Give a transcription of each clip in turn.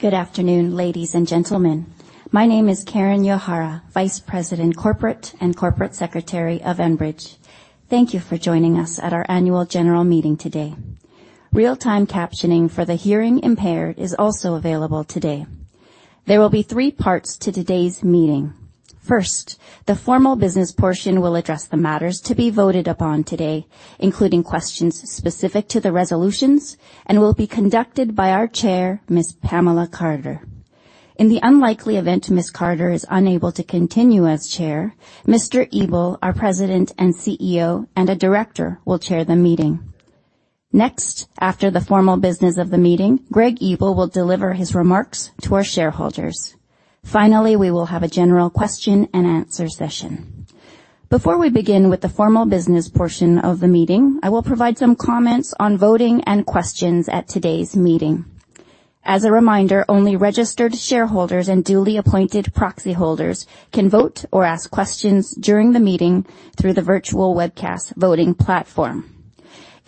Good afternoon, ladies and gentlemen. My name is Karen Uehara, Vice President, Corporate and Corporate Secretary of Enbridge. Thank you for joining us at our annual general meeting today. Real-time captioning for the hearing impaired is also available today. There will be three parts to today's meeting. First, the formal business portion will address the matters to be voted upon today, including questions specific to the resolutions, and will be conducted by our Chair, Ms. Pamela Carter. In the unlikely event Ms. Carter is unable to continue as Chair, Mr. Ebel, our President and CEO and a director, will chair the meeting. Next, after the formal business of the meeting, Greg Ebel will deliver his remarks to our shareholders. Finally, we will have a general question-and-answer session. Before we begin with the formal business portion of the meeting, I will provide some comments on voting and questions at today's meeting. As a reminder, only registered shareholders and duly appointed proxy holders can vote or ask questions during the meeting through the virtual webcast voting platform.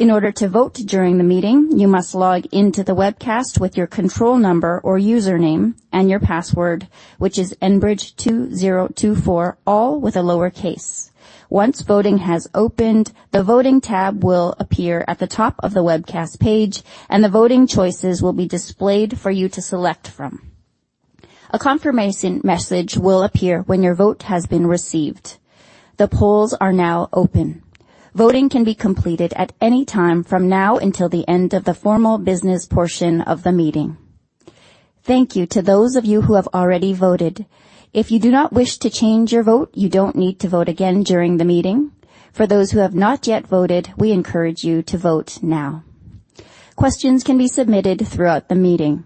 In order to vote during the meeting, you must log into the webcast with your control number or username and your password, which is enbridge2024, all with a lowercase. Once voting has opened, the voting tab will appear at the top of the webcast page, and the voting choices will be displayed for you to select from. A confirmation message will appear when your vote has been received. The polls are now open. Voting can be completed at any time from now until the end of the formal business portion of the meeting. Thank you to those of you who have already voted. If you do not wish to change your vote, you don't need to vote again during the meeting. For those who have not yet voted, we encourage you to vote now. Questions can be submitted throughout the meeting.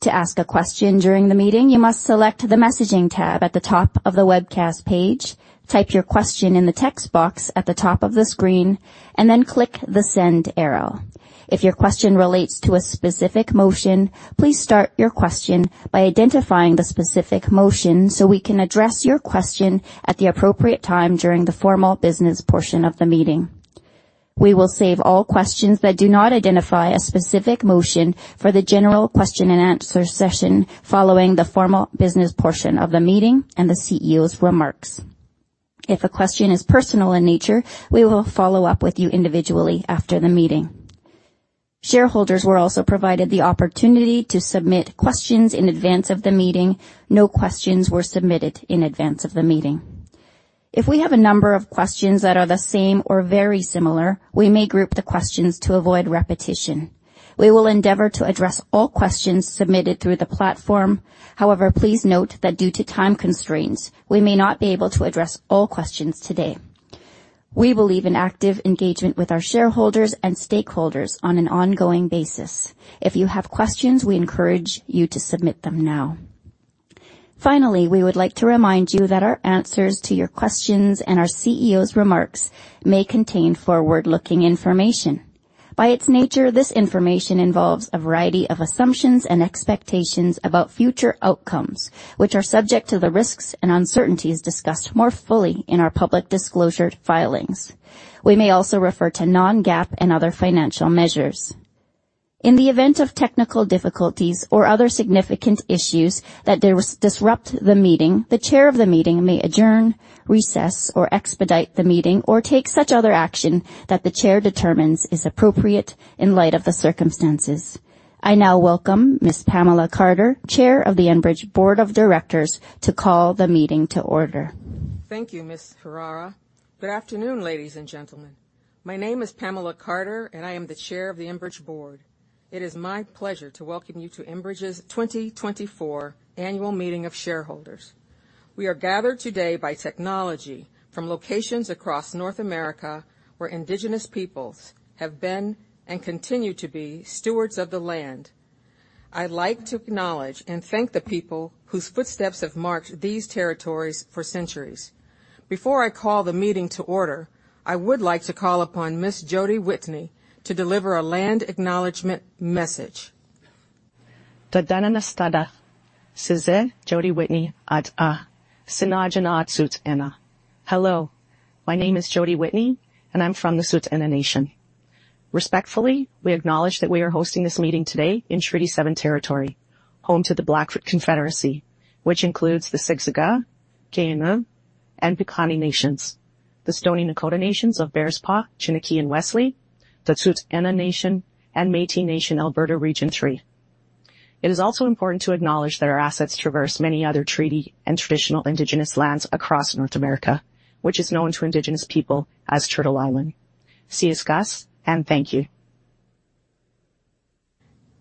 To ask a question during the meeting, you must select the messaging tab at the top of the webcast page, type your question in the text box at the top of the screen, and then click the send arrow. If your question relates to a specific motion, please start your question by identifying the specific motion so we can address your question at the appropriate time during the formal business portion of the meeting. We will save all questions that do not identify a specific motion for the general question-and-answer session following the formal business portion of the meeting and the CEO's remarks. If a question is personal in nature, we will follow up with you individually after the meeting. Shareholders were also provided the opportunity to submit questions in advance of the meeting. No questions were submitted in advance of the meeting. If we have a number of questions that are the same or very similar, we may group the questions to avoid repetition. We will endeavor to address all questions submitted through the platform. However, please note that due to time constraints, we may not be able to address all questions today. We believe in active engagement with our shareholders and stakeholders on an ongoing basis. If you have questions, we encourage you to submit them now. Finally, we would like to remind you that our answers to your questions and our CEO's remarks may contain forward-looking information. By its nature, this information involves a variety of assumptions and expectations about future outcomes, which are subject to the risks and uncertainties discussed more fully in our public disclosure filings. We may also refer to Non-GAAP and other financial measures. In the event of technical difficulties or other significant issues that disrupt the meeting, the chair of the meeting may adjourn, recess, or expedite the meeting, or take such other action that the chair determines is appropriate in light of the circumstances. I now welcome Ms. Pamela Carter, Chair of the Enbridge Board of Directors, to call the meeting to order. Thank you, Ms. Uehara. Good afternoon, ladies and gentlemen. My name is Pamela Carter, and I am the chair of the Enbridge Board. It is my pleasure to welcome you to Enbridge's 2024 annual meeting of shareholders. We are gathered today by technology from locations across North America where Indigenous peoples have been and continue to be stewards of the land. I'd like to acknowledge and thank the people whose footsteps have marked these territories for centuries. Before I call the meeting to order, I would like to call upon Ms. Jodi Whitney to deliver a land acknowledgment message. Danit'ada, sii Jodi Whitney at siinajanaa Tsuut'ina. Hello. My name is Jodi Whitney, and I'm from the Tsuut'ina Nation. Respectfully, we acknowledge that we are hosting this meeting today in Treaty 7 territory, home to the Blackfoot Confederacy, which includes the Siksika, Kainai, and Piikani Nations, the Stoney Nakoda Nations of Bearspaw, Chiniki, and Wesley, the Tsuut'ina Nation, and Métis Nation Alberta Region 3. It is also important to acknowledge that our assets traverse many other treaty and traditional Indigenous lands across North America, which is known to Indigenous people as Turtle Island. Siyisgaas, and thank you.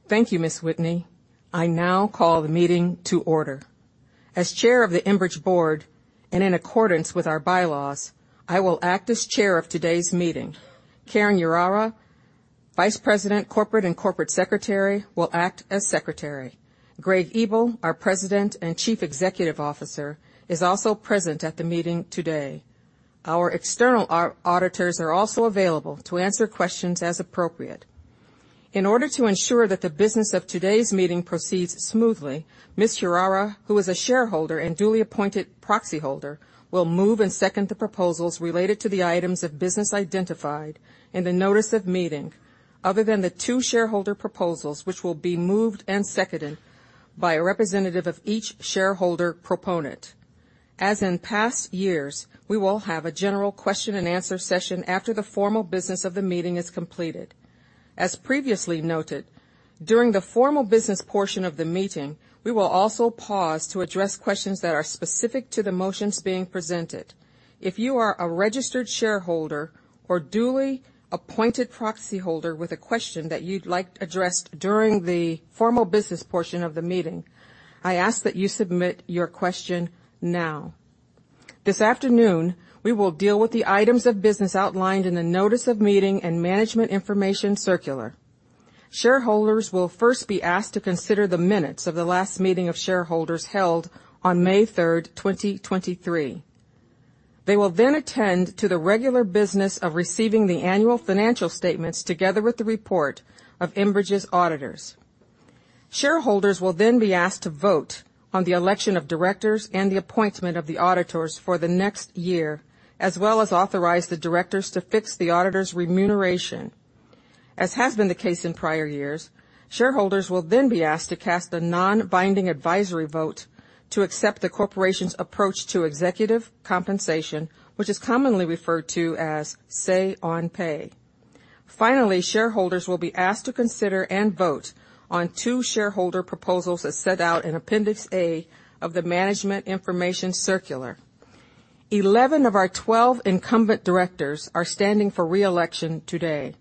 Thank you, Ms. Whitney. I now call the meeting to order. As chair of the Enbridge Board and in accordance with our bylaws, I will act as chair of today's meeting. Karen Uehara, Vice President, Corporate and Corporate Secretary, will act as secretary. Greg Ebel, our president and chief executive officer, is also present at the meeting today. Our external auditors are also available to answer questions as appropriate. In order to ensure that the business of today's meeting proceeds smoothly, Ms. Uehara, who is a shareholder and duly appointed proxy holder, will move and second the proposals related to the items of business identified in the Notice of Meeting, other than the two shareholder proposals which will be moved and seconded by a representative of each shareholder proponent. As in past years, we will have a general question-and-answer session after the formal business of the meeting is completed. As previously noted, during the formal business portion of the meeting, we will also pause to address questions that are specific to the motions being presented. If you are a registered shareholder or duly appointed proxy holder with a question that you'd like addressed during the formal business portion of the meeting, I ask that you submit your question now. This afternoon, we will deal with the items of business outlined in the Notice of Meeting and Management Information Circular. Shareholders will first be asked to consider the minutes of the last meeting of shareholders held on May 3rd, 2023. They will then attend to the regular business of receiving the annual financial statements together with the report of Enbridge's auditors. Shareholders will then be asked to vote on the election of directors and the appointment of the auditors for the next year, as well as authorize the directors to fix the auditors' remuneration. As has been the case in prior years, shareholders will then be asked to cast a non-binding advisory vote to accept the corporation's approach to executive compensation, which is commonly referred to as Say-on-Pay. Finally, shareholders will be asked to consider and vote on two shareholder proposals as set out in Appendix A of the Management Information Circular. Eleven of our twelve incumbent directors are standing for reelection today.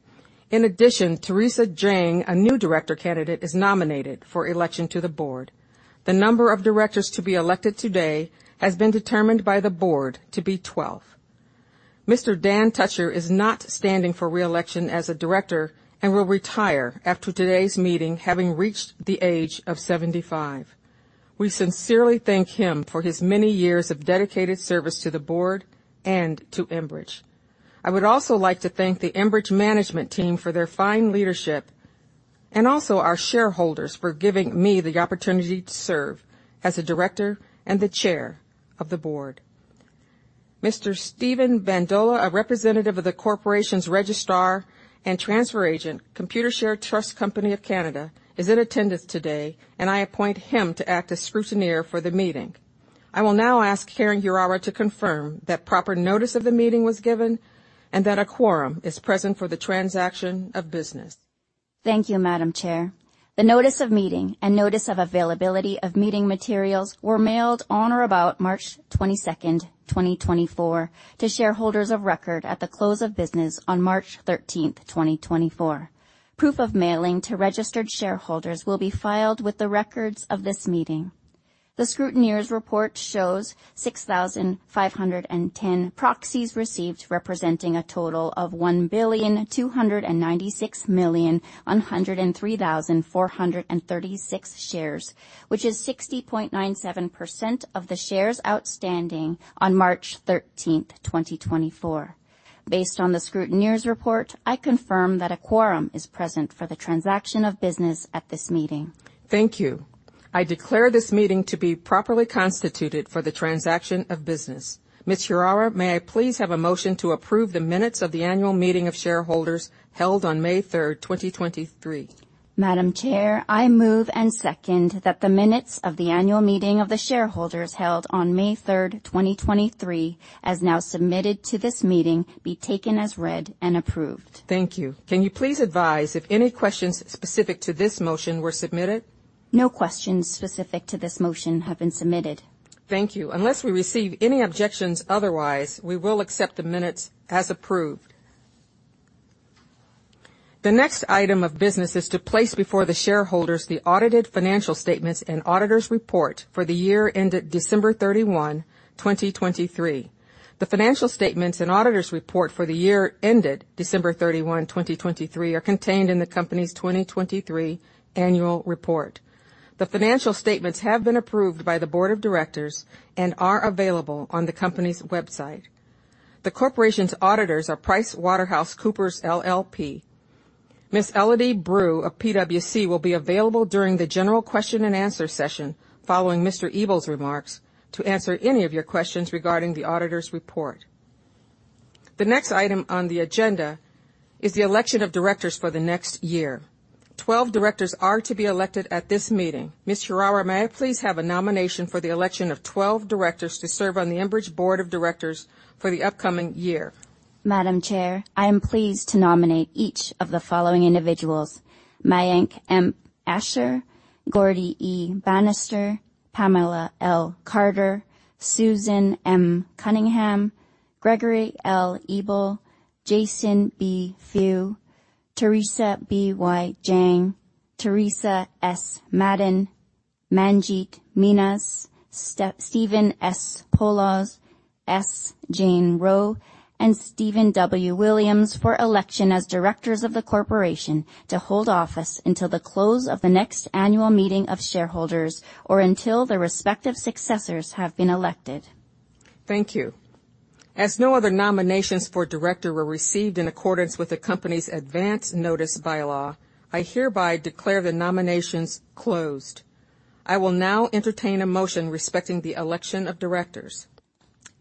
In addition, Theresa Jang, a new director candidate, is nominated for election to the board. The number of directors to be elected today has been determined by the board to be twelve. Mr. Dan Tutcher is not standing for reelection as a director and will retire after today's meeting having reached the age of 75. We sincerely thank him for his many years of dedicated service to the board and to Enbridge. I would also like to thank the Enbridge management team for their fine leadership and also our shareholders for giving me the opportunity to serve as a director and the chair of the board. Mr. Stefan Bandola, a representative of the corporation's registrar and transfer agent, Computershare Trust Company of Canada, is in attendance today, and I appoint him to act as scrutineer for the meeting. I will now ask Karen Uehara to confirm that proper notice of the meeting was given and that a quorum is present for the transaction of business. Thank you, Madam Chair. The Notice of Meeting and notice of availability of meeting materials were mailed on or about March 22nd, 2024, to shareholders of record at the close of business on March 13th, 2024. Proof of mailing to registered shareholders will be filed with the records of this meeting. The scrutineer's report shows 6,510 proxies received, representing a total of 1,296,103,436 shares, which is 60.97% of the shares outstanding on March 13th, 2024. Based on the scrutineer's report, I confirm that a quorum is present for the transaction of business at this meeting. Thank you. I declare this meeting to be properly constituted for the transaction of business. Ms. Uehara, may I please have a motion to approve the minutes of the annual meeting of shareholders held on May 3rd, 2023? Madam Chair, I move and second that the minutes of the annual meeting of the shareholders held on May 3rd, 2023, as now submitted to this meeting, be taken as read and approved. Thank you. Can you please advise if any questions specific to this motion were submitted? No questions specific to this motion have been submitted. Thank you. Unless we receive any objections otherwise, we will accept the minutes as approved. The next item of business is to place before the shareholders the audited financial statements and auditor's report for the year ended December 31, 2023. The financial statements and auditor's report for the year ended December 31, 2023, are contained in the company's 2023 annual report. The financial statements have been approved by the board of directors and are available on the company's website. The corporation's auditors are PricewaterhouseCoopers LLP. Ms. Elodie Bru of PWC will be available during the general question-and-answer session following Mr. Ebel's remarks to answer any of your questions regarding the auditor's report. The next item on the agenda is the election of directors for the next year. 12 directors are to be elected at this meeting. Ms. Uehara, may I please have a nomination for the election of 12 directors to serve on the Enbridge Board of Directors for the upcoming year? Madam Chair, I am pleased to nominate each of the following individuals: Mayank M. Ashar, Gaurdie E. Banister, Pamela L. Carter, Susan M. Cunningham, Gregory L. Ebel, Jason B. Few, Theresa B.Y. Jang, Teresa S. Madden, Manjit Minhas, Stephen S. Poloz, S. Jane Rowe, and Stephen W. Williams for election as directors of the corporation to hold office until the close of the next annual meeting of shareholders or until the respective successors have been elected. Thank you. As no other nominations for director were received in accordance with the company's advance notice bylaw, I hereby declare the nominations closed. I will now entertain a motion respecting the election of directors.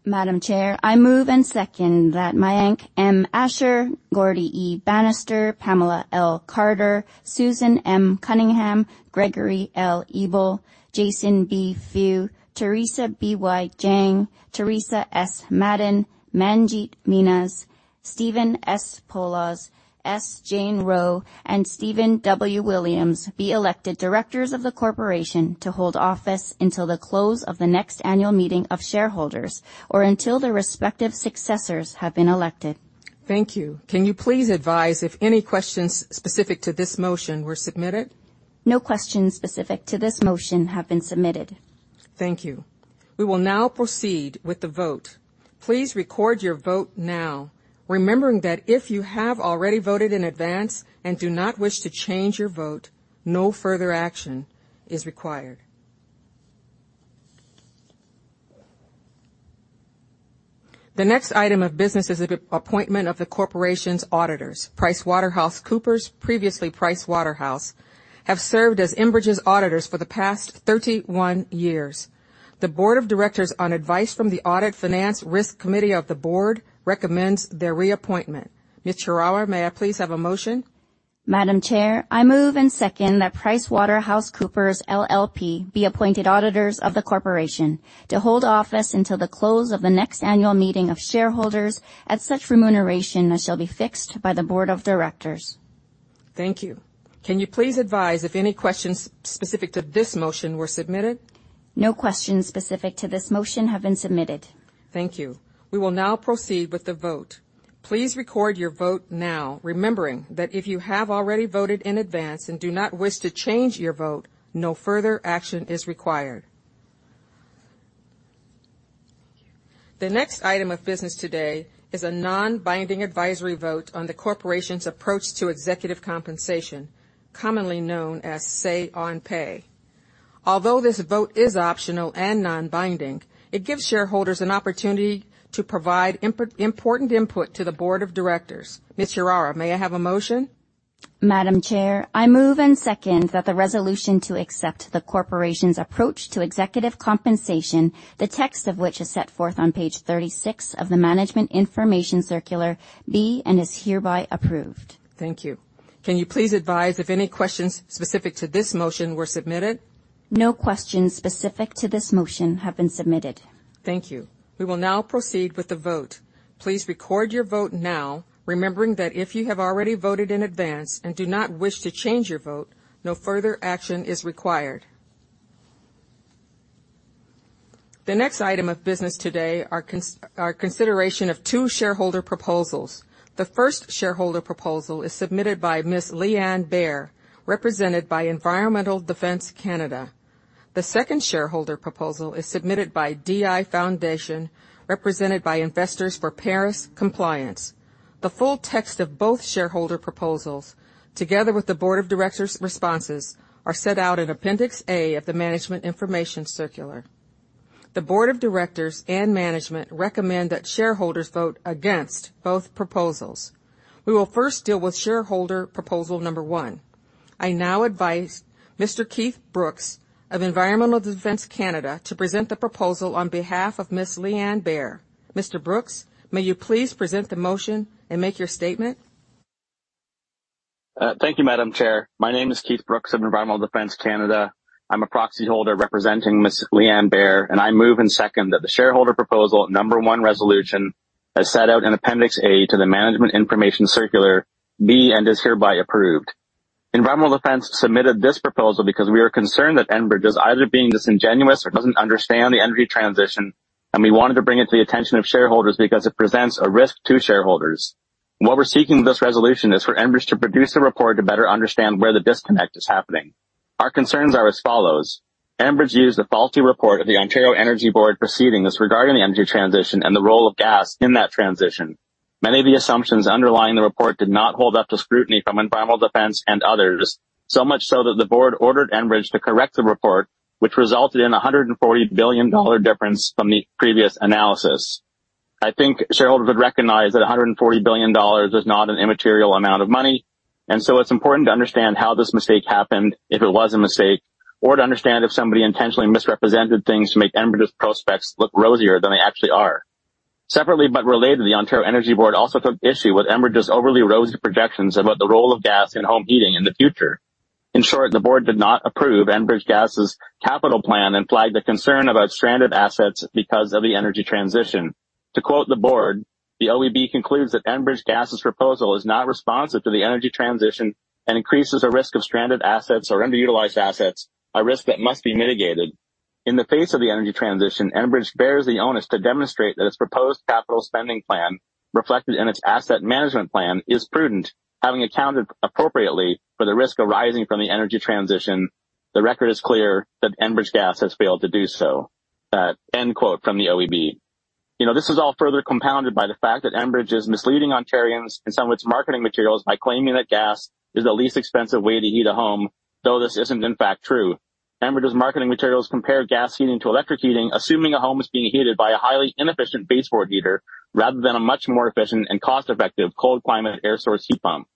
Madam Chair, I move and second that Mayank M. Ashar, Gaurdie E. Banister Jr., Pamela L. Carter, Susan M. Cunningham, Gregory L. Ebel, Jason B. Few, Theresa B.Y. Jang, Teresa S. Madden, Manjit Minhas, Stephen S. Poloz, S. Jane Rowe, and Stephen W. Williams be elected directors of the corporation to hold office until the close of the next annual meeting of shareholders or until the respective successors have been elected. Thank you. Can you please advise if any questions specific to this motion were submitted? No questions specific to this motion have been submitted. Thank you. We will now proceed with the vote. Please record your vote now, remembering that if you have already voted in advance and do not wish to change your vote, no further action is required. The next item of business is the appointment of the corporation's auditors. PricewaterhouseCoopers, previously Price Waterhouse, have served as Enbridge's auditors for the past 31 years. The board of directors, on advice from the Audit Finance Risk Committee of the board, recommends their reappointment. Ms. Uehara, may I please have a motion? Madam Chair, I move and second that PricewaterhouseCoopers LLP be appointed auditors of the corporation to hold office until the close of the next annual meeting of shareholders at such remuneration as shall be fixed by the board of directors. Thank you. Can you please advise if any questions specific to this motion were submitted? No questions specific to this motion have been submitted. Thank you. We will now proceed with the vote. Please record your vote now, remembering that if you have already voted in advance and do not wish to change your vote, no further action is required. The next item of business today is a non-binding advisory vote on the corporation's approach to executive compensation, commonly known as Say-on-Pay. Although this vote is optional and non-binding, it gives shareholders an opportunity to provide important input to the board of directors. Ms. Uehara, may I have a motion? Madam Chair, I move and second that the resolution to accept the corporation's approach to executive compensation, the text of which is set forth on page 36 of the Management Information Circular, be and is hereby approved. Thank you. Can you please advise if any questions specific to this motion were submitted? No questions specific to this motion have been submitted. Thank you. We will now proceed with the vote. Please record your vote now, remembering that if you have already voted in advance and do not wish to change your vote, no further action is required. The next item of business today is consideration of two shareholder proposals. The first shareholder proposal is submitted by Ms. Lienne Barre, represented by Environmental Defence Canada. The second shareholder proposal is submitted by D.I. Foundation, represented by Investors for Paris Compliance. The full text of both shareholder proposals, together with the board of directors' responses, are set out in Appendix A of the Management Information Circular. The board of directors and management recommend that shareholders vote against both proposals. We will first deal with shareholder proposal number one. I now advise Mr. Keith Brooks of Environmental Defence Canada to present the proposal on behalf of Ms. Lienne Barre. Mr. Brooks, may you please present the motion and make your statement? Thank you, Madam Chair. My name is Keith Brooks of Environmental Defence Canada. I'm a proxy holder representing Ms. Lienne Barre, and I move and second that the shareholder proposal number one resolution is set out in Appendix A to the Management Information Circular, be and is hereby approved. Environmental Defence submitted this proposal because we were concerned that Enbridge is either being disingenuous or doesn't understand the energy transition, and we wanted to bring it to the attention of shareholders because it presents a risk to shareholders. What we're seeking with this resolution is for Enbridge to produce a report to better understand where the disconnect is happening. Our concerns are as follows: Enbridge used a faulty report of the Ontario Energy Board proceedings regarding the energy transition and the role of gas in that transition. Many of the assumptions underlying the report did not hold up to scrutiny from Environmental Defence and others, so much so that the board ordered Enbridge to correct the report, which resulted in a 140 billion dollar difference from the previous analysis. I think shareholders would recognize that 140 billion dollars is not an immaterial amount of money, and so it's important to understand how this mistake happened, if it was a mistake, or to understand if somebody intentionally misrepresented things to make Enbridge's prospects look rosier than they actually are. Separately but related, the Ontario Energy Board also took issue with Enbridge's overly rosy projections about the role of gas in home heating in the future. In short, the board did not approve Enbridge Gas's capital plan and flagged a concern about stranded assets because of the energy transition. To quote the board, "The OEB concludes that Enbridge Gas's proposal is not responsive to the energy transition and increases the risk of stranded assets or underutilized assets, a risk that must be mitigated. In the face of the energy transition, Enbridge bears the onus to demonstrate that its proposed capital spending plan, reflected in its asset management plan, is prudent, having accounted appropriately for the risk arising from the energy transition. The record is clear that Enbridge Gas has failed to do so." End quote from the OEB. This is all further compounded by the fact that Enbridge is misleading Ontarians in some of its marketing materials by claiming that gas is the least expensive way to heat a home, though this isn't in fact true. Enbridge's marketing materials compare gas heating to electric heating, assuming a home is being heated by a highly inefficient baseboard heater rather than a much more efficient and cost-effective cold climate air source heat pump.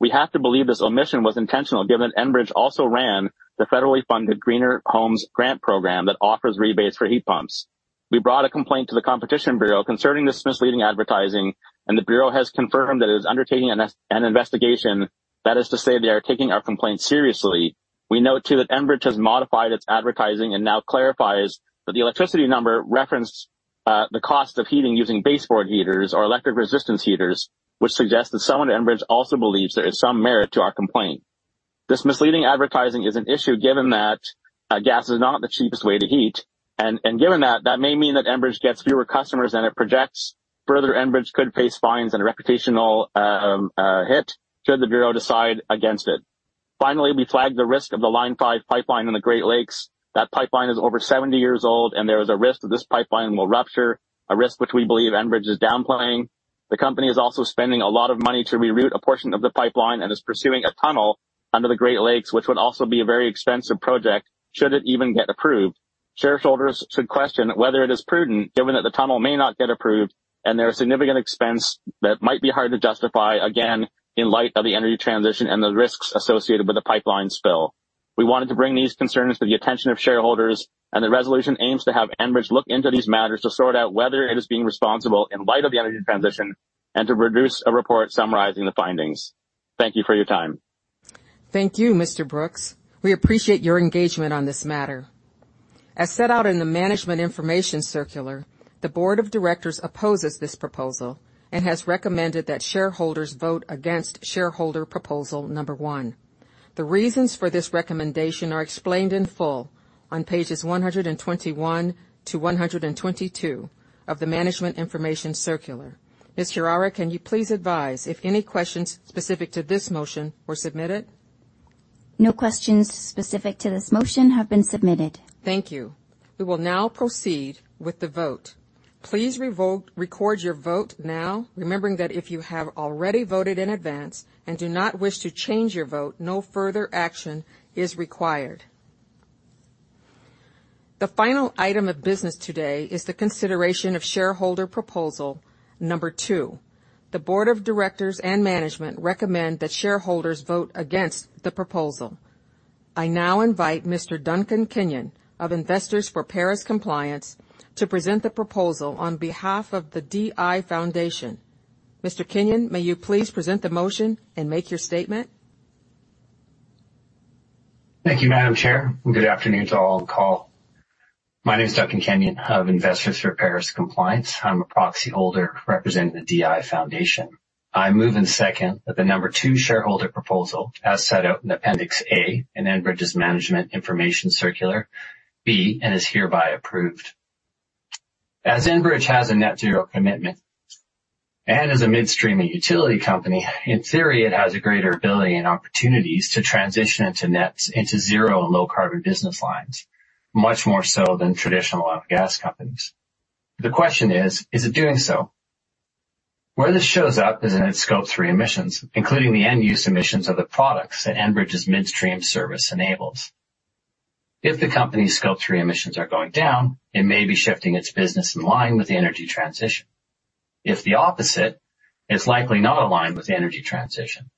We have to believe this omission was intentional given that Enbridge also ran the federally funded Greener Homes Grant program that offers rebates for heat pumps. We brought a complaint to the Competition Bureau concerning this misleading advertising, and the bureau has confirmed that it is undertaking an investigation. That is to say, they are taking our complaint seriously. We note too that Enbridge has modified its advertising and now clarifies that the electricity number referenced the cost of heating using baseboard heaters or electric resistance heaters, which suggests that someone at Enbridge also believes there is some merit to our complaint. This misleading advertising is an issue given that gas is not the cheapest way to heat, and given that, that may mean that Enbridge gets fewer customers than it projects. Further, Enbridge could face fines and a reputational hit should the bureau decide against it. Finally, we flagged the risk of the Line 5 pipeline in the Great Lakes. That pipeline is over 70 years old, and there is a risk that this pipeline will rupture, a risk which we believe Enbridge is downplaying. The company is also spending a lot of money to reroute a portion of the pipeline and is pursuing a tunnel under the Great Lakes, which would also be a very expensive project should it even get approved. Shareholders should question whether it is prudent given that the tunnel may not get approved and there is significant expense that might be hard to justify, again, in light of the energy transition and the risks associated with the pipeline spill. We wanted to bring these concerns to the attention of shareholders, and the resolution aims to have Enbridge look into these matters to sort out whether it is being responsible in light of the energy transition and to produce a report summarizing the findings. Thank you for your time. Thank you, Mr. Brooks. We appreciate your engagement on this matter. As set out in the Management Information Circular, the board of directors opposes this proposal and has recommended that shareholders vote against shareholder proposal number one. The reasons for this recommendation are explained in full on pages 121-122 of the Management Information Circular. Ms. Uehara, can you please advise if any questions specific to this motion were submitted? No questions specific to this motion have been submitted. Thank you. We will now proceed with the vote. Please record your vote now, remembering that if you have already voted in advance and do not wish to change your vote, no further action is required. The final item of business today is the consideration of shareholder proposal number 2. The board of directors and management recommend that shareholders vote against the proposal. I now invite Mr. Duncan Kenyon of Investors for Paris Compliance to present the proposal on behalf of the D.I. Foundation. Mr. Kenyon, may you please present the motion and make your statement? Thank you, Madam Chair, and good afternoon to all on call. My name is Duncan Kenyon of Investors for Paris Compliance. I'm a proxy holder representing the D.I. Foundation. I move and second that the number 2 shareholder proposal, as set out in Appendix A in Enbridge's Management Information Circular, be and is hereby approved. As Enbridge has a net-zero commitment and is a midstream utility company, in theory, it has a greater ability and opportunities to transition into net zero and low-carbon business lines, much more so than traditional oil and gas companies. The question is, is it doing so? Where this shows up is in its Scope 3 emissions, including the end-use emissions of the products that Enbridge's midstream service enables. If the company's Scope 3 emissions are going down, it may be shifting its business in line with the energy transition. If the opposite, it's likely not aligned with the energy transition.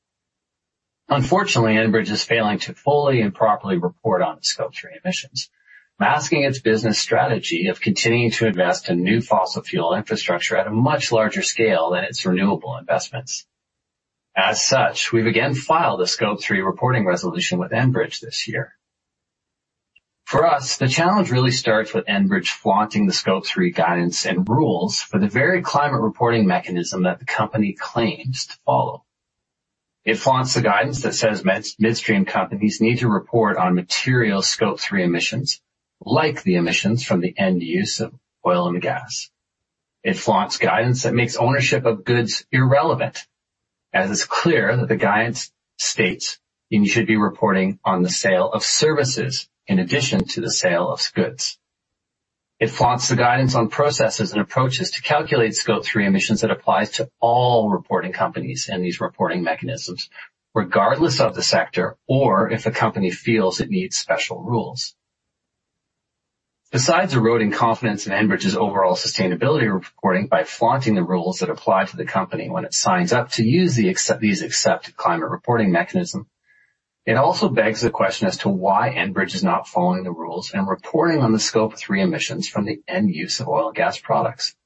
Unfortunately, Enbridge is failing to fully and properly report on its Scope 3 emissions, masking its business strategy of continuing to invest in new fossil fuel infrastructure at a much larger scale than its renewable investments. As such, we've again filed a Scope 3 reporting resolution with Enbridge this year. For us, the challenge really starts with Enbridge flaunting the Scope 3 guidance and rules for the very climate reporting mechanism that the company claims to follow. It flaunts the guidance that says midstream companies need to report on material Scope 3 emissions, like the emissions from the end use of oil and gas. It flaunts guidance that makes ownership of goods irrelevant, as it's clear that the guidance states you should be reporting on the sale of services in addition to the sale of goods. It flouts the guidance on processes and approaches to calculate Scope 3 emissions that applies to all reporting companies and these reporting mechanisms, regardless of the sector or if the company feels it needs special rules. Besides eroding confidence in Enbridge's overall sustainability reporting by flouting the rules that apply to the company when it signs up to use these accepted climate reporting mechanisms, it also begs the question as to why Enbridge is not following the rules and reporting on the Scope 3 emissions from the end use of oil and gas products.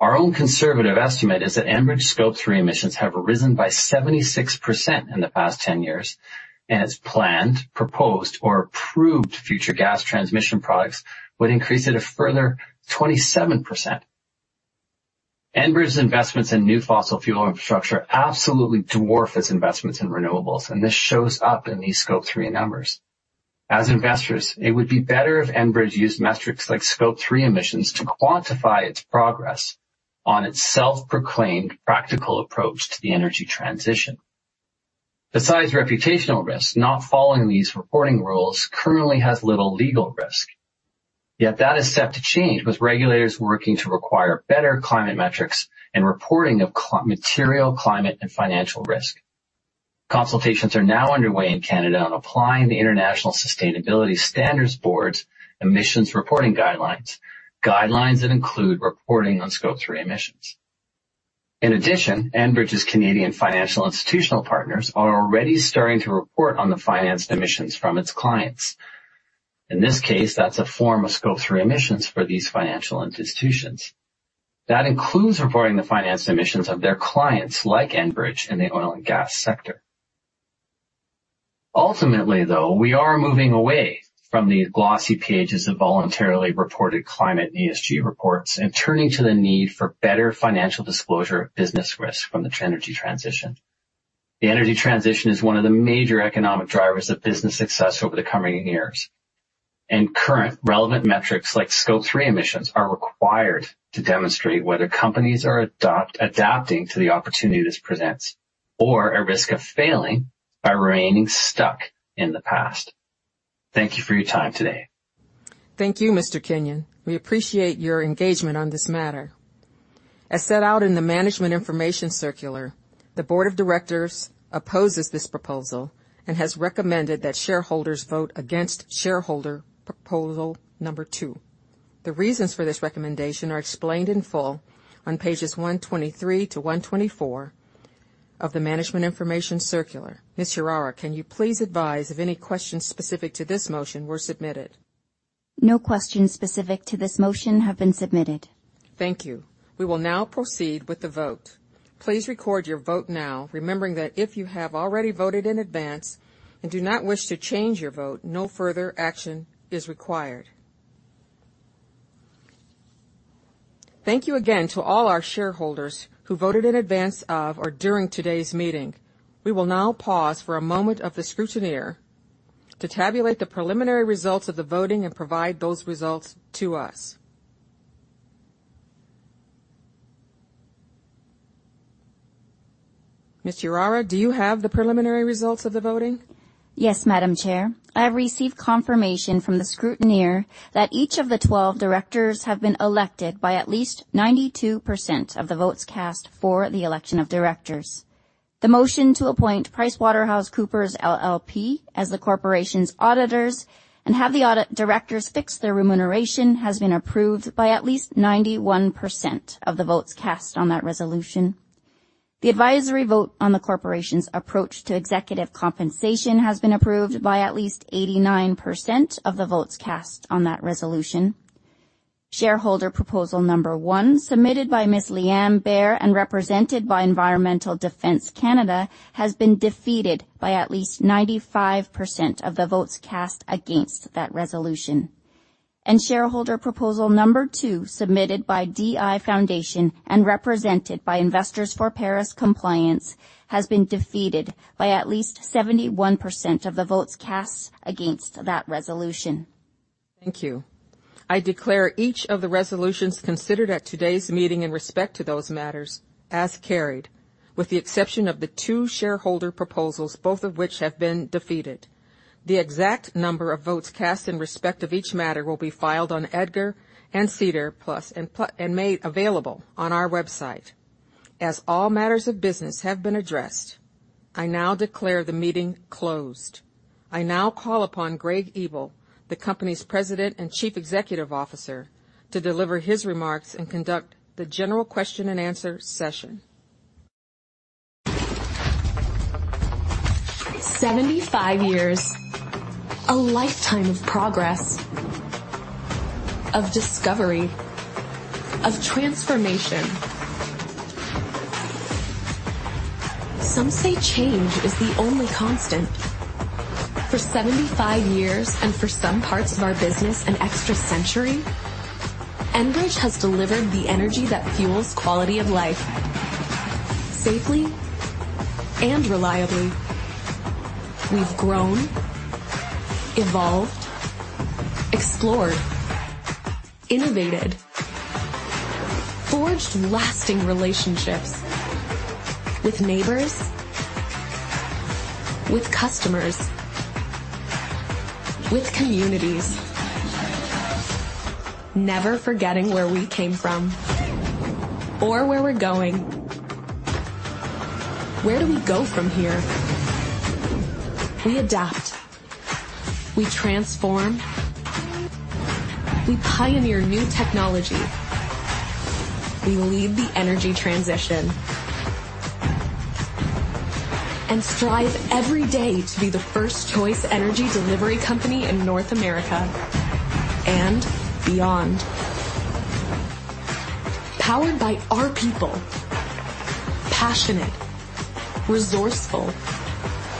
Our own conservative estimate is that Enbridge's Scope 3 emissions have risen by 76% in the past 10 years, and its planned, proposed, or approved future gas transmission products would increase it a further 27%. Enbridge's investments in new fossil fuel infrastructure absolutely dwarf its investments in renewables, and this shows up in these Scope 3 numbers. As investors, it would be better if Enbridge used metrics like Scope 3 emissions to quantify its progress on its self-proclaimed practical approach to the energy transition. Besides reputational risk, not following these reporting rules currently has little legal risk. Yet that is set to change with regulators working to require better climate metrics and reporting of material climate and financial risk. Consultations are now underway in Canada on applying the International Sustainability Standards Board's emissions reporting guidelines, guidelines that include reporting on Scope 3 emissions. In addition, Enbridge's Canadian financial institutional partners are already starting to report on the financed emissions from its clients. In this case, that's a form of Scope 3 emissions for these financial institutions. That includes reporting the financed emissions of their clients like Enbridge in the oil and gas sector. Ultimately, though, we are moving away from the glossy pages of voluntarily reported climate ESG reports and turning to the need for better financial disclosure of business risk from the energy transition. The energy transition is one of the major economic drivers of business success over the coming years, and current relevant metrics like Scope 3 emissions are required to demonstrate whether companies are adapting to the opportunity this presents or at risk of failing by remaining stuck in the past. Thank you for your time today. Thank you, Mr. Kenyon. We appreciate your engagement on this matter. As set out in the Management Information Circular, the board of directors opposes this proposal and has recommended that shareholders vote against shareholder proposal number two. The reasons for this recommendation are explained in full on pages 123-124 of the Management Information Circular. Ms. Uehara, can you please advise if any questions specific to this motion were submitted? No questions specific to this motion have been submitted. Thank you. We will now proceed with the vote. Please record your vote now, remembering that if you have already voted in advance and do not wish to change your vote, no further action is required. Thank you again to all our shareholders who voted in advance of or during today's meeting. We will now pause for a moment for the scrutineer to tabulate the preliminary results of the voting and provide those results to us. Ms. Uehara, do you have the preliminary results of the voting? Yes, Madam Chair. I have received confirmation from the scrutineer that each of the 12 directors have been elected by at least 92% of the votes cast for the election of directors. The motion to appoint PricewaterhouseCoopers LLP as the corporation's auditors and have the directors fix their remuneration has been approved by at least 91% of the votes cast on that resolution. The advisory vote on the corporation's approach to executive compensation has been approved by at least 89% of the votes cast on that resolution. Shareholder proposal number one, submitted by Ms. Lienne Barre and represented by Environmental Defence Canada, has been defeated by at least 95% of the votes cast against that resolution. Shareholder proposal number two, submitted by D.I. Foundation and represented by Investors for Paris Compliance, has been defeated by at least 71% of the votes cast against that resolution. Thank you. I declare each of the resolutions considered at today's meeting in respect to those matters as carried, with the exception of the 2 shareholder proposals, both of which have been defeated. The exact number of votes cast in respect of each matter will be filed on EDGAR and SEDAR+ and made available on our website. As all matters of business have been addressed, I now declare the meeting closed. I now call upon Greg Ebel, the company's President and Chief Executive Officer, to deliver his remarks and conduct the general question and answer session. 75 years, a lifetime of progress, of discovery, of transformation. Some say change is the only constant. For 75 years and for some parts of our business an extra century, Enbridge has delivered the energy that fuels quality of life safely and reliably. We've grown, evolved, explored, innovated, forged lasting relationships with neighbors, with customers, with communities, never forgetting where we came from or where we're going. Where do we go from here? We adapt. We transform. We pioneer new technology. We lead the energy transition and strive every day to be the first choice energy delivery company in North America and beyond. Powered by our people, passionate, resourceful,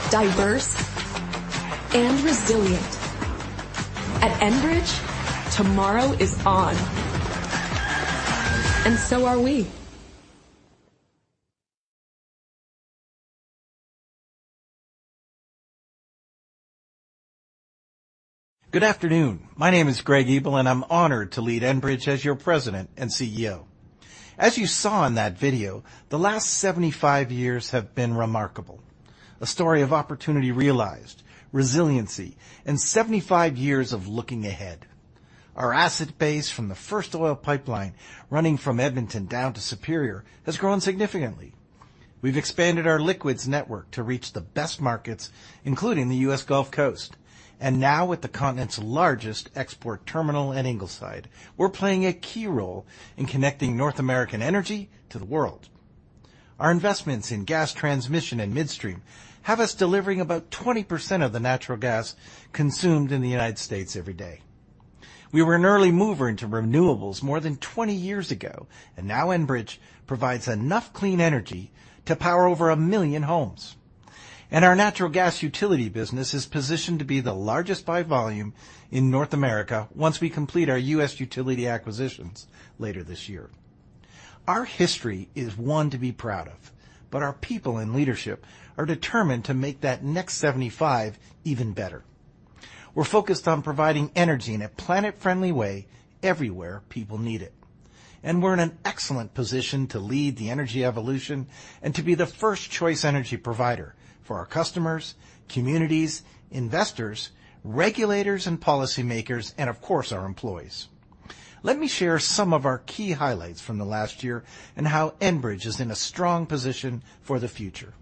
diverse, and resilient, at Enbridge, tomorrow is on, and so are we. Good afternoon. My name is Greg Ebel, and I'm honored to lead Enbridge as your president and CEO. As you saw in that video, the last 75 years have been remarkable: a story of opportunity realized, resiliency, and 75 years of looking ahead. Our asset base from the first oil pipeline running from Edmonton down to Superior has grown significantly. We've expanded our liquids network to reach the best markets, including the U.S. Gulf Coast, and now with the continent's largest export terminal and Ingleside, we're playing a key role in connecting North American energy to the world. Our investments in gas transmission and midstream have us delivering about 20% of the natural gas consumed in the United States every day. We were an early mover into renewables more than 20 years ago, and now Enbridge provides enough clean energy to power over 1 million homes. Our natural gas utility business is positioned to be the largest by volume in North America once we complete our U.S. utility acquisitions later this year. Our history is one to be proud of, but our people and leadership are determined to make that next 75 even better. We're focused on providing energy in a planet-friendly way everywhere people need it, and we're in an excellent position to lead the energy evolution and to be the first choice energy provider for our customers, communities, investors, regulators, and policymakers, and of course, our employees. Let me share some of our key highlights from the last year and how Enbridge is in a strong position for the future.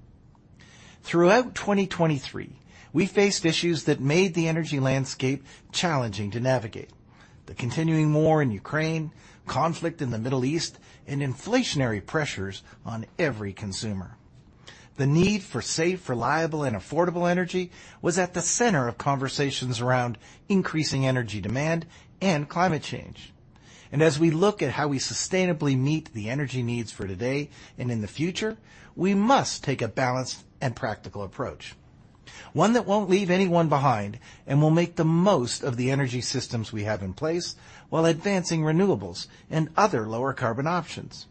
Throughout 2023, we faced issues that made the energy landscape challenging to navigate: the continuing war in Ukraine, conflict in the Middle East, and inflationary pressures on every consumer. The need for safe, reliable, and affordable energy was at the center of conversations around increasing energy demand and climate change. And as we look at how we sustainably meet the energy needs for today and in the future, we must take a balanced and practical approach, one that won't leave anyone behind and will make the most of the energy systems we have in place while advancing renewables and other lower-carbon options.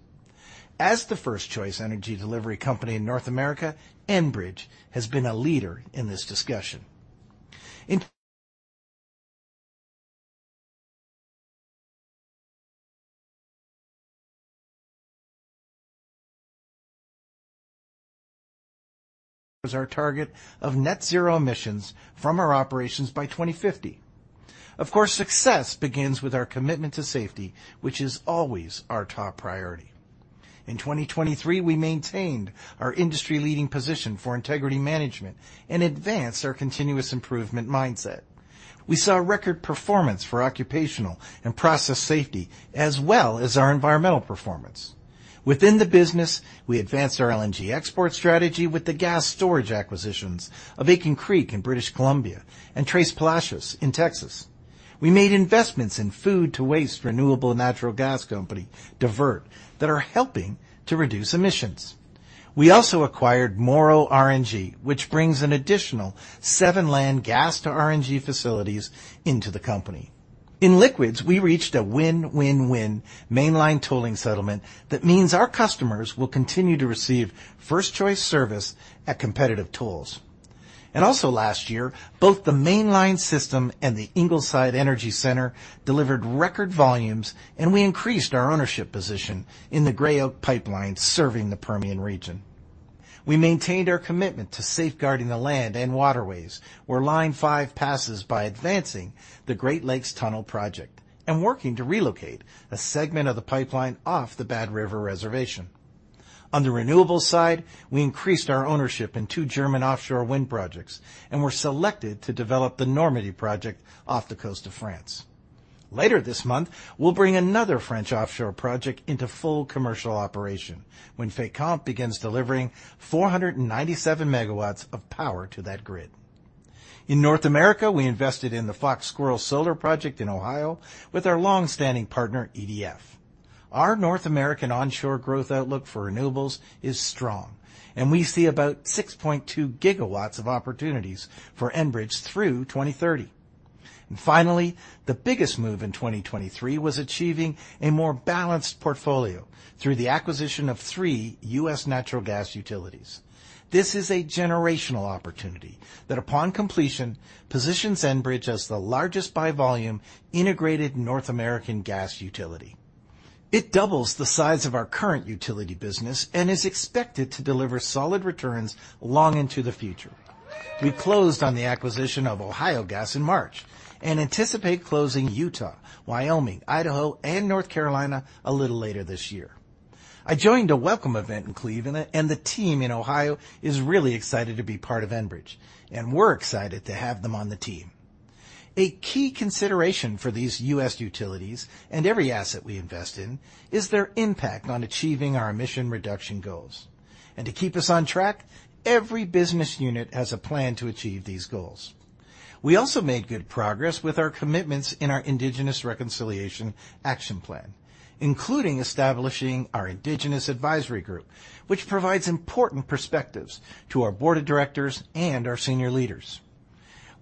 As the first choice energy delivery company in North America, Enbridge has been a leader in this discussion. Our target of net-zero emissions from our operations by 2050. Of course, success begins with our commitment to safety, which is always our top priority. In 2023, we maintained our industry-leading position for integrity management and advanced our continuous improvement mindset. We saw record performance for occupational and process safety, as well as our environmental performance. Within the business, we advanced our LNG export strategy with the gas storage acquisitions of Aitken Creek in British Columbia and Tres Palacios in Texas. We made investments in Divert Inc. that are helping to reduce emissions. We also acquired Morrow RNG, which brings an additional seven landfill gas-to-RNG facilities into the company. In liquids, we reached a win-win-win Mainline tolling settlement that means our customers will continue to receive first choice service at competitive tolls. And also last year, both the Mainline system and the Ingleside Energy Center delivered record volumes, and we increased our ownership position in the Gray Oak Pipeline serving the Permian region. We maintained our commitment to safeguarding the land and waterways where Line 5 passes by advancing the Great Lakes Tunnel Project and working to relocate a segment of the pipeline off the Bad River Reservation. On the renewable side, we increased our ownership in 2 German offshore wind projects and were selected to develop the Normandy project off the coast of France. Later this month, we'll bring another French offshore project into full commercial operation when Fécamp begins delivering 497 MW of power to that grid. In North America, we invested in the Fox Squirrel Solar Project in Ohio with our longstanding partner EDF. Our North American onshore growth outlook for renewables is strong, and we see about 6.2 GW of opportunities for Enbridge through 2030. And finally, the biggest move in 2023 was achieving a more balanced portfolio through the acquisition of 3 U.S. natural gas utilities. This is a generational opportunity that, upon completion, positions Enbridge as the largest by volume integrated North American gas utility. It doubles the size of our current utility business and is expected to deliver solid returns long into the future. We closed on the acquisition of Ohio Gas in March and anticipate closing Utah, Wyoming, Idaho, and North Carolina a little later this year. I joined a welcome event in Cleveland, and the team in Ohio is really excited to be part of Enbridge, and we're excited to have them on the team. A key consideration for these U.S. utilities and every asset we invest in is their impact on achieving our emission reduction goals. And to keep us on track, every business unit has a plan to achieve these goals. We also made good progress with our commitments in our Indigenous Reconciliation Action Plan, including establishing our Indigenous Advisory Group, which provides important perspectives to our board of directors and our senior leaders.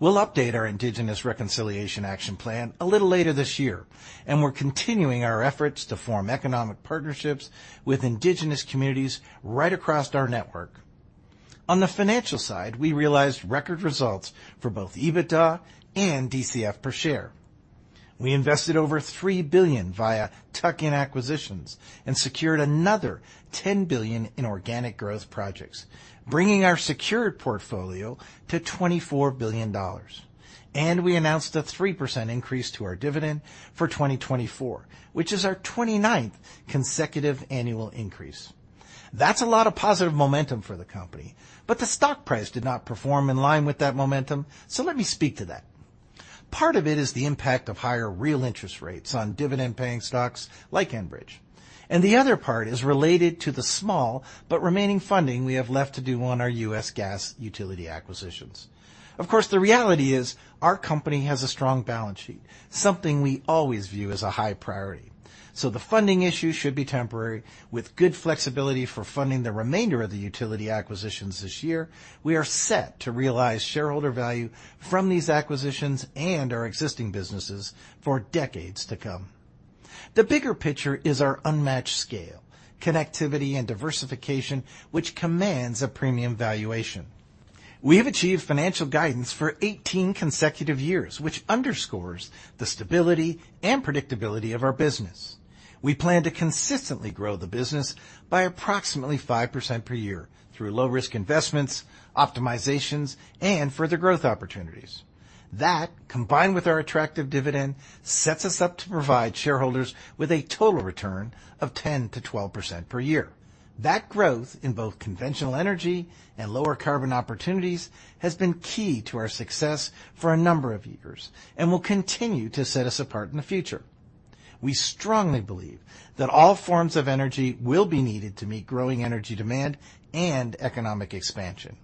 We'll update our Indigenous Reconciliation Action Plan a little later this year, and we're continuing our efforts to form economic partnerships with Indigenous communities right across our network. On the financial side, we realized record results for both EBITDA and DCF per share. We invested over 3 billion via tuck-in acquisitions and secured another 10 billion in organic growth projects, bringing our secured portfolio to 24 billion dollars. We announced a 3% increase to our dividend for 2024, which is our 29th consecutive annual increase. That's a lot of positive momentum for the company, but the stock price did not perform in line with that momentum, so let me speak to that. Part of it is the impact of higher real interest rates on dividend-paying stocks like Enbridge. The other part is related to the small but remaining funding we have left to do on our U.S. gas utility acquisitions. Of course, the reality is our company has a strong balance sheet, something we always view as a high priority. So the funding issue should be temporary. With good flexibility for funding the remainder of the utility acquisitions this year, we are set to realize shareholder value from these acquisitions and our existing businesses for decades to come. The bigger picture is our unmatched scale, connectivity, and diversification, which commands a premium valuation. We have achieved financial guidance for 18 consecutive years, which underscores the stability and predictability of our business. We plan to consistently grow the business by approximately 5% per year through low-risk investments, optimizations, and further growth opportunities. That, combined with our attractive dividend, sets us up to provide shareholders with a total return of 10%-12% per year. That growth in both conventional energy and lower-carbon opportunities has been key to our success for a number of years and will continue to set us apart in the future. We strongly believe that all forms of energy will be needed to meet growing energy demand and economic expansion.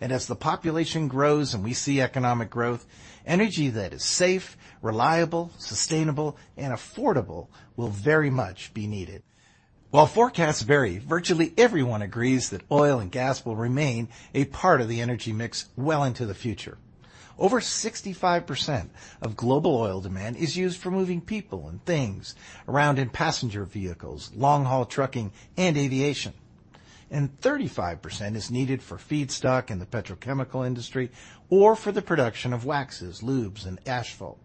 As the population grows and we see economic growth, energy that is safe, reliable, sustainable, and affordable will very much be needed. While forecasts vary, virtually everyone agrees that oil and gas will remain a part of the energy mix well into the future. Over 65% of global oil demand is used for moving people and things around in passenger vehicles, long-haul trucking, and aviation. 35% is needed for feedstock in the petrochemical industry or for the production of waxes, lubes, and asphalt.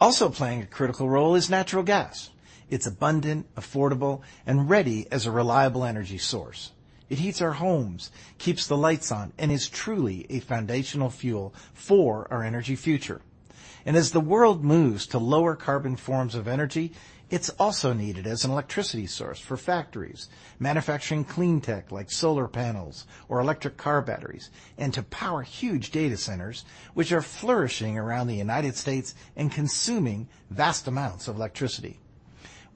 Also playing a critical role is natural gas. It's abundant, affordable, and ready as a reliable energy source. It heats our homes, keeps the lights on, and is truly a foundational fuel for our energy future. And as the world moves to lower-carbon forms of energy, it's also needed as an electricity source for factories manufacturing clean tech like solar panels or electric car batteries and to power huge data centers, which are flourishing around the United States and consuming vast amounts of electricity.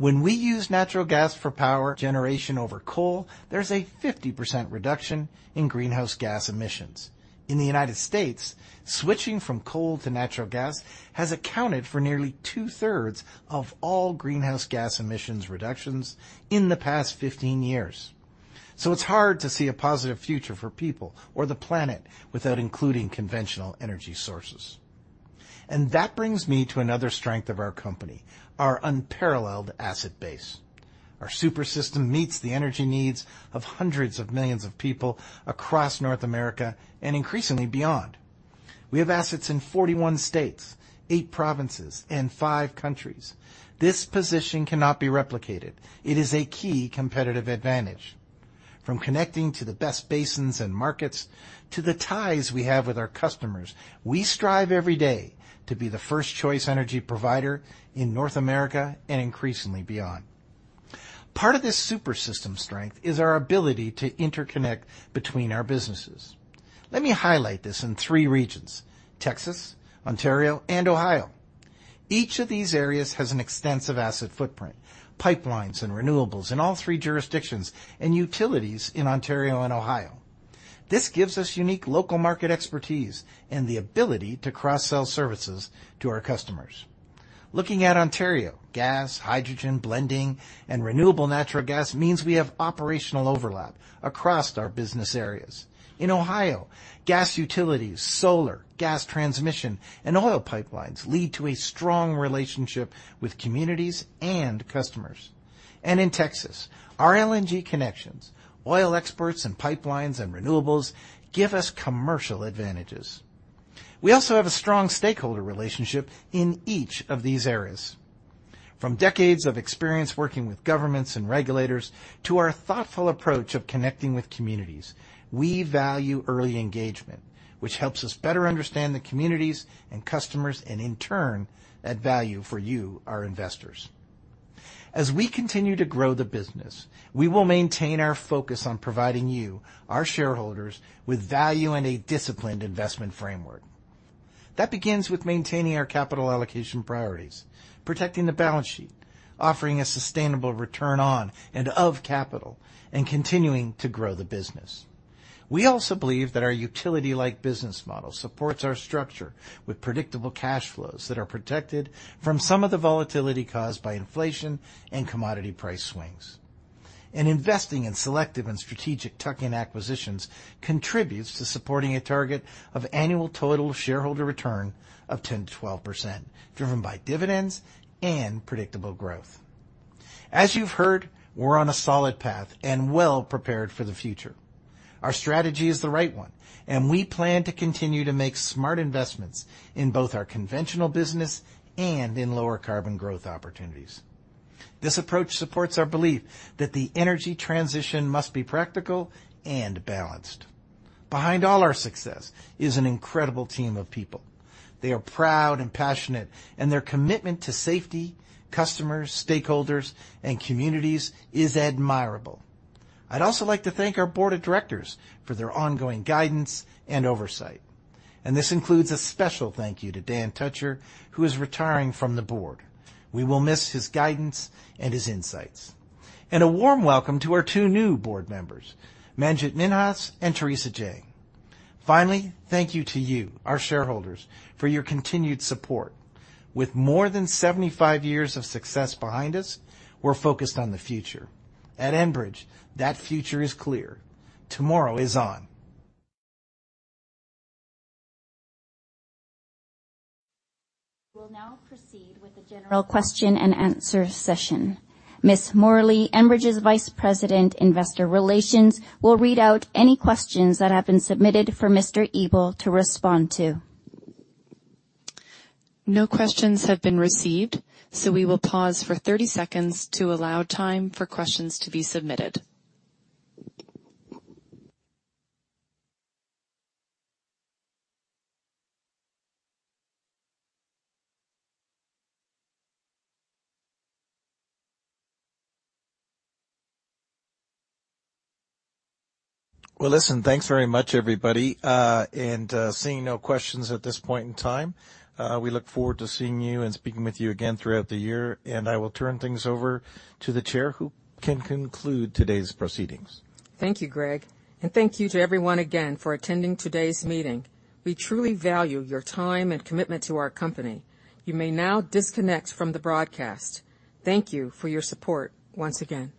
When we use natural gas for power generation over coal, there's a 50% reduction in greenhouse gas emissions. In the United States, switching from coal to natural gas has accounted for nearly two-thirds of all greenhouse gas emissions reductions in the past 15 years. It's hard to see a positive future for people or the planet without including conventional energy sources. That brings me to another strength of our company: our unparalleled asset base. Our super system meets the energy needs of hundreds of millions of people across North America and increasingly beyond. We have assets in 41 states, eight provinces, and five countries. This position cannot be replicated. It is a key competitive advantage. From connecting to the best basins and markets to the ties we have with our customers, we strive every day to be the first choice energy provider in North America and increasingly beyond. Part of this super system strength is our ability to interconnect between our businesses. Let me highlight this in three regions: Texas, Ontario, and Ohio. Each of these areas has an extensive asset footprint: pipelines and renewables in all three jurisdictions and utilities in Ontario and Ohio. This gives us unique local market expertise and the ability to cross-sell services to our customers. Looking at Ontario, gas, hydrogen, blending, and renewable natural gas means we have operational overlap across our business areas. In Ohio, gas utilities, solar, gas transmission, and oil pipelines lead to a strong relationship with communities and customers. And in Texas, our LNG connections, oil experts in pipelines and renewables give us commercial advantages. We also have a strong stakeholder relationship in each of these areas. From decades of experience working with governments and regulators to our thoughtful approach of connecting with communities, we value early engagement, which helps us better understand the communities and customers and, in turn, add value for you, our investors. As we continue to grow the business, we will maintain our focus on providing you, our shareholders, with value and a disciplined investment framework. That begins with maintaining our capital allocation priorities, protecting the balance sheet, offering a sustainable return on and of capital, and continuing to grow the business. We also believe that our utility-like business model supports our structure with predictable cash flows that are protected from some of the volatility caused by inflation and commodity price swings. Investing in selective and strategic tuck-in acquisitions contributes to supporting a target of annual total shareholder return of 10%-12%, driven by dividends and predictable growth. As you've heard, we're on a solid path and well prepared for the future. Our strategy is the right one, and we plan to continue to make smart investments in both our conventional business and in lower-carbon growth opportunities. This approach supports our belief that the energy transition must be practical and balanced. Behind all our success is an incredible team of people. They are proud and passionate, and their commitment to safety, customers, stakeholders, and communities is admirable. I'd also like to thank our board of directors for their ongoing guidance and oversight. This includes a special thank you to Dan Tutcher, who is retiring from the board. We will miss his guidance and his insights. A warm welcome to our two new board members, Manjit Minhas and Theresa Jang. Finally, thank you to you, our shareholders, for your continued support. With more than 75 years of success behind us, we're focused on the future. At Enbridge, that future is clear. Tomorrow is on. We'll now proceed with the general question and answer session. Ms. Morley, Enbridge's Vice President, Investor Relations, will read out any questions that have been submitted for Mr. Ebel to respond to. No questions have been received, so we will pause for 30 seconds to allow time for questions to be submitted. Well, listen, thanks very much, everybody. Seeing no questions at this point in time, we look forward to seeing you and speaking with you again throughout the year. I will turn things over to the chair, who can conclude today's proceedings. Thank you, Greg. Thank you to everyone again for attending today's meeting. We truly value your time and commitment to our company. You may now disconnect from the broadcast. Thank you for your support once again.